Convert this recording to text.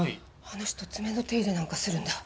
あの人爪の手入れなんかするんだ。